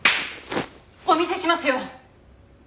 お見せしますよ！